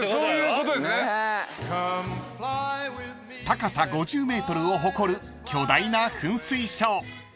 ［高さ５０ｍを誇る巨大な噴水ショー］